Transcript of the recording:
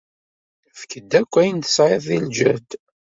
Efk-d akk ayen i tesɛiḍ d ljehd.